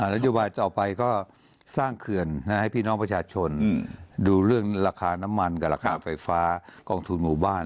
นโยบายต่อไปก็สร้างเขื่อนให้พี่น้องประชาชนดูเรื่องราคาน้ำมันกับราคาไฟฟ้ากองทุนหมู่บ้าน